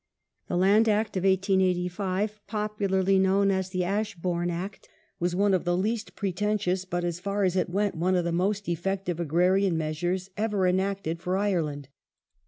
The Land Act of 1885, popularly known as the Ashbourne Act, was one of the least pretentious, but, as far as it went, one of the most effective agrarian measures ever enacted for Ireland.